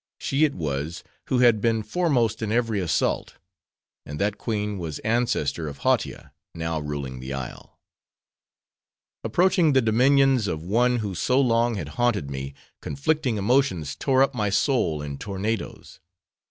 She it was, who had been foremost in every assault. And that queen was ancestor of Hautia, now ruling the isle. Approaching the dominions of one who so long had haunted me, conflicting emotions tore up my soul in tornadoes.